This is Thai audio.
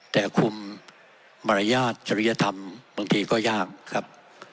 แต่คุมมารยาทจริยธรรมบางทีก็ยากครับ